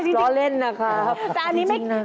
เดี๋ยวเขาจะพกมาล้อเล่นนะครับ